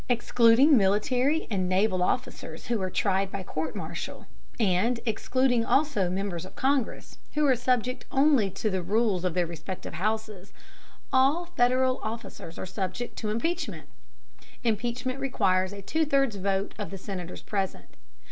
Excluding military and naval officers, who are tried by court martial, and excluding also members of Congress, who are subject only to the rules of their respective houses, all Federal officers are subject to impeachment. Impeachment requires a two thirds vote of the Senators present.